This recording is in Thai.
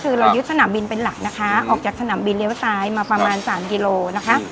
คือเรายึดสนามบินเป็นหลักนะคะออกจากสนามบินเลี้ยวซ้ายมาประมาณสามกิโลนะคะ